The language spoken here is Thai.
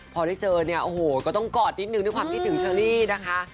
พอได้เจอเนี่ยโอ้โหก็ต้องกอดนิดนึงด้วยความคิดถึงเชอรี่นะคะ